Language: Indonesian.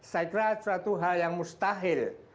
saya kira suatu hal yang mustahil